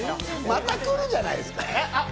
また来るじゃないですか？